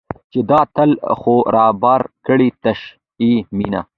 چې دا تا خو رابار کړې تشه مینه